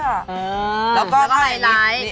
แล้วก็ไฮไลท์